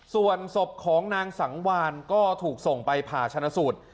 ส่วนศพของนางสังวานก็ถูกส่งไปผ่าชนะสูตร